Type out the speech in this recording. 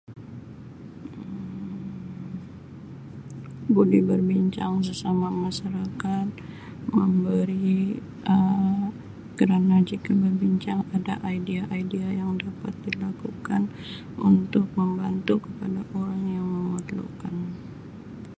Um Boleh berbincang sesama masyarakat memberi Um kerana jika berbincang ada idea-idea yang dapat dilakukan untuk membantu kepada orang yang memerlukan.